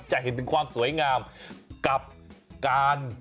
จะเห็นถึงความสวยงามกับการ